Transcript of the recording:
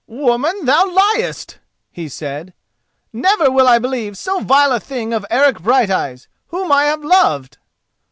"Woman, thou liest!" he said. "Never will I believe so vile a thing of Eric Brighteyes, whom I have loved."